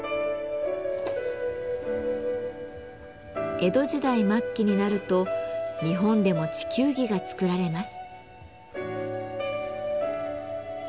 江戸時代末期になると日本でも地球儀が作られます。